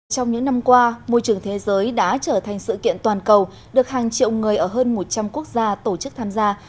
trong những năm qua môi trường thế giới đã trở thành sự kiện toàn cầu được hàng triệu người ở hơn một trăm linh quốc gia tổ chức tham gia